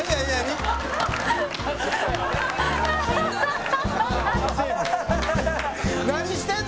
蛍原：何してんの？